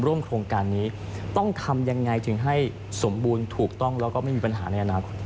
โครงการนี้ต้องทำยังไงถึงให้สมบูรณ์ถูกต้องแล้วก็ไม่มีปัญหาในอนาคต